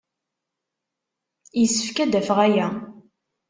Yessefk ad d-afeɣ aya.